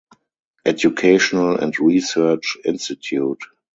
Educational and Research Institute.